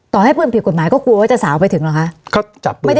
ต่อให้ปืนผิดกฎหมายก็กลัวว่าจะสาวไปถึงหรอคะเขาจับปืนได้